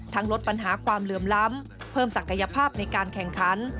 ลดปัญหาความเหลื่อมล้ำเพิ่มศักยภาพในการแข่งขัน